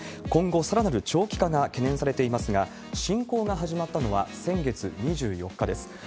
今後、さらなる長期化が懸念されていますが、侵攻が始まったのは先月２４日です。